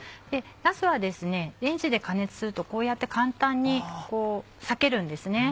なすはレンジで加熱するとこうやって簡単に割けるんですね。